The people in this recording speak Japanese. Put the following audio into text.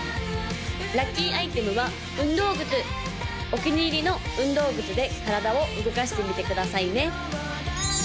・ラッキーアイテムは運動靴お気に入りの運動靴で体を動かしてみてくださいね